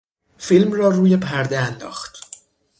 فیلم را روی پرده انداخت.